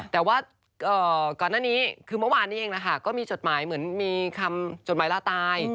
แต่ว่าก่อนหน้านี้คือเมื่อวานนี้เองนะคะก็มีจดหมายเหมือนมีคำจดหมายล่าตาย